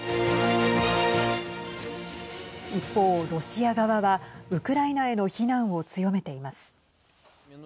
一方、ロシア側はウクライナへの非難を強めています。